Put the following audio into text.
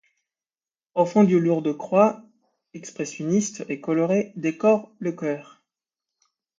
Au fond une lourde croix expressionniste et colorée décore le chœur.